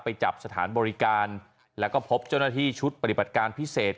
ไปจับสถานบริการแล้วก็พบเจ้าหน้าที่ชุดปฏิบัติการพิเศษ